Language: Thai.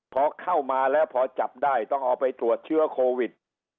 พอเข้ามาแล้วพอจับได้ต้องเอาไปตรวจเชื้อโควิด